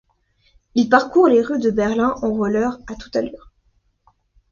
Il parcourt les rues de Berlin en roller à toute allure.